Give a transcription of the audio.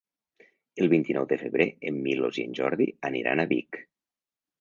El vint-i-nou de febrer en Milos i en Jordi aniran a Vic.